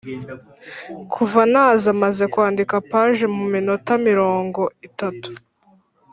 Kuva naza maze kwandika page mu minota mirongo itatu